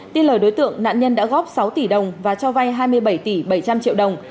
tin lời đối tượng nạn nhân đã góp sáu tỷ đồng và cho vay hai mươi bảy tỷ bảy trăm linh triệu đồng